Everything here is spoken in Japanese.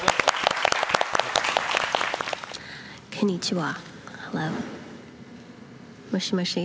こんにちは。